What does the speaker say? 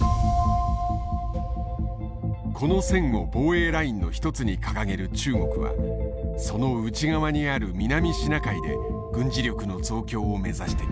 この線を防衛ラインの一つに掲げる中国はその内側にある南シナ海で軍事力の増強を目指してきた。